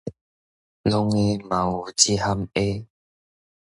戇的嘛有一項會